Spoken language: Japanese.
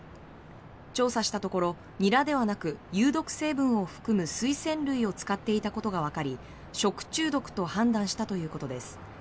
調査したところニラではなく有毒成分を含むスイセン類を使っていたことがわかり食中毒と判断したということです。